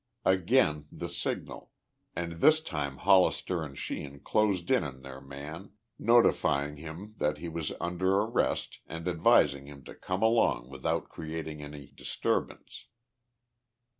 Again the signal and this time Hollister and Sheehan closed in on their man, notifying him that he was under arrest and advising him to come along without creating any disturbance.